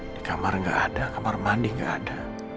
di kamar gak ada di kamar mandi gak ada